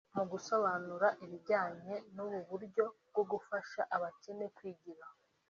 Mu gusobanura ibijyanye n’ubu buryo bwo gufasha abakene kwigira